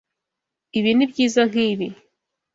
Ibi nibyiza nkibi.